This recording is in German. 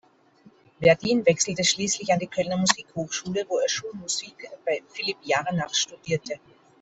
Werdin wechselte schließlich an die Kölner Musikhochschule, wo er Schulmusik bei Philipp Jarnach studierte.